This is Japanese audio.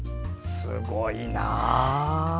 すごいなー。